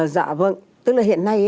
dạ vâng tức là hiện nay